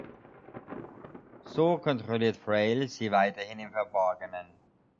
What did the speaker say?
So kontrolliert Frail sie weiterhin im Verborgenen.